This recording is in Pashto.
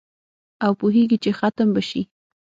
او پوهیږي چي ختم به شي